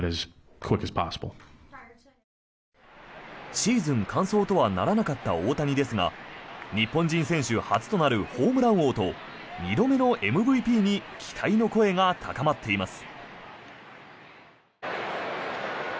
シーズン完走とはならなかった大谷ですが日本人選手初となるホームラン王と２度目のＭＶＰに期待の声が高まっています。